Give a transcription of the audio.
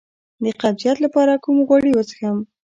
د قبضیت لپاره کوم غوړي وڅښم؟